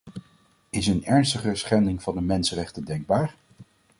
Is een ernstigere schending van de mensenrechten denkbaar?